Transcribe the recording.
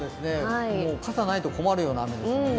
傘ないと困るような雨ですもんね。